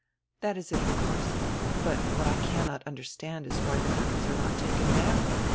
"That is it, of course. But what I cannot understand is why die curtains are not taken down.